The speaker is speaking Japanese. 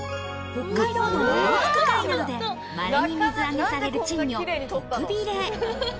北海道のオホーツク海などで、まれに水揚げされる珍魚・トクビレ。